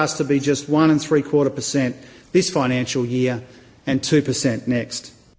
kekuatan ini berkumpul dengan harga hidup yang berharga